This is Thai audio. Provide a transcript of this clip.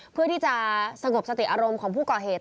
เพื่อที่จะสงบสติอารมณ์ของผู้ก่อเหตุ